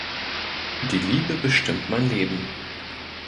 Die Liebe bestimmt mein Leben.